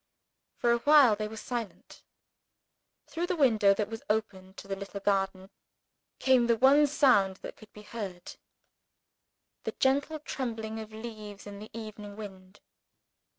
For a while they were silent. Through the window that was open to the little garden, came the one sound that could be heard the gentle trembling of leaves in the evening wind.